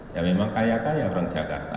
ya memang kaya kaya orang jakarta